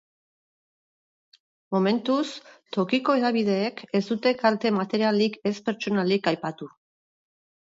Momentuz, tokiko hedabideek ez dute kalte materialik ez pertsonalik aipatu.